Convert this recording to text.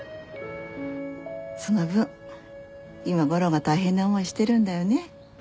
その分今悟郎が大変な思いしてるんだよね。